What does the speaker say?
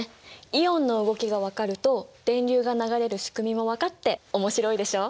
イオンの動きが分かると電流が流れる仕組みも分かって面白いでしょ？